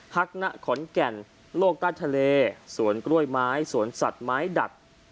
ฮักณขอนแก่นโลกใต้ทะเลสวนกล้วยไม้สวนสัตว์ไม้ดัด